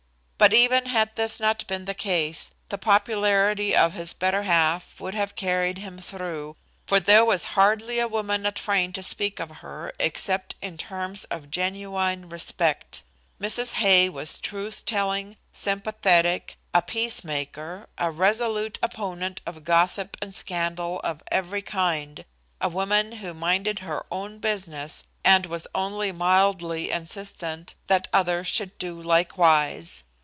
But, even had this not been the case, the popularity of his betterhalf would have carried him through, for there was hardly a woman at Frayne to speak of her except in terms of genuine respect. Mrs. Hay was truth telling, sympathetic, a peacemaker, a resolute opponent of gossip and scandal of every kind, a woman who minded her own business and was only mildly insistent that others should do likewise.